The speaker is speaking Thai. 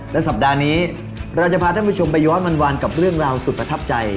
และสัปดาห์นี้เราจะพาท่านผู้ชมไปย้อนวันกับเรื่องราวสุดประทับใจ